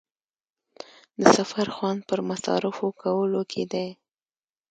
د سفر خوند پر مصارفو کولو کې دی.